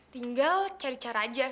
tinggal cari cara aja